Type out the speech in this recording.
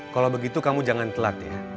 kalau begitu kamu jangan telat ya